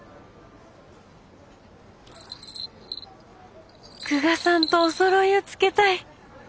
心の声久我さんとおそろいをつけたい。